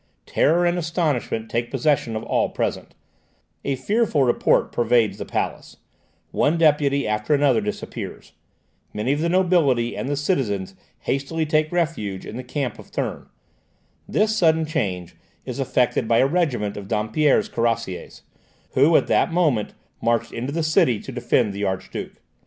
Terror and astonishment take possession of all present; a fearful report pervades the palace; one deputy after another disappears. Many of the nobility and the citizens hastily take refuge in the camp of Thurn. This sudden change is effected by a regiment of Dampierre's cuirassiers, who at that moment marched into the city to defend the Archduke.